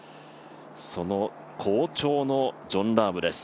その好調のジョン・ラームです。